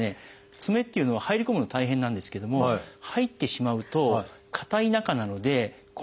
爪っていうのは入り込むの大変なんですけども入ってしまうとかたい中なので今度は。